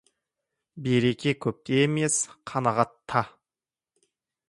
Береке көпте емес, қанағатта.